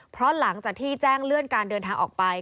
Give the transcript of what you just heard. เพราะหลังจากที่แจ้งเลื่อนการเดินทางออกไป